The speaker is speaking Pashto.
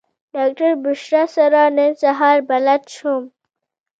ډاکټره بشرا سره نن سهار بلد شوم.